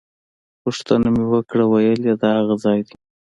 پوښتنه مې وکړه ویل یې دا هغه ځای دی.